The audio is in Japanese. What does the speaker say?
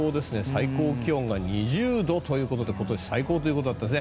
最高気温が２０度ということで今年最高ということでした。